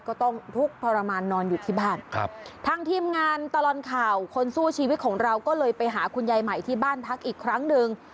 ก็ต้องทุกข์ทรมานนอนอยู่ที่บ้านครับทางทีมงานตลอดข่าวคนสู้ชีวิตของเราก็เลยไปหาคุณยายใหม่ที่บ้านพักอีกครั้งหนึ่ง